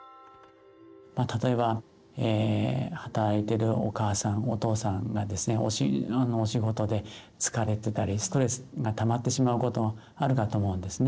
例えば働いてるお母さんお父さんがですねお仕事で疲れてたりストレスがたまってしまうことあるかと思うんですね。